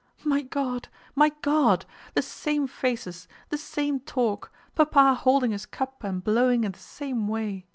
"My God, my God! The same faces, the same talk, Papa holding his cup and blowing in the same way!"